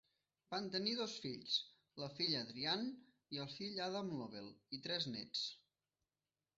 Van tenir dos fills: la filla Adrianne i el fill Adam Lobel, i tres néts.